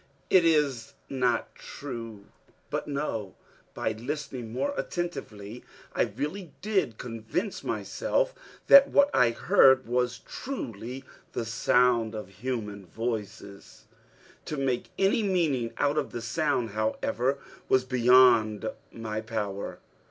it is not true!" But no! By listening more attentively, I really did convince myself that what I heard was truly the sound of human voices. To make any meaning out of the sound, however, was beyond my power.